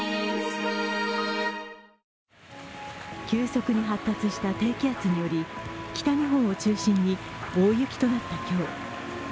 急速に発達した低気圧により北日本を中心に大雪となった今日。